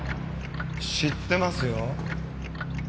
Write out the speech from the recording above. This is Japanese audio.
知ってますよ。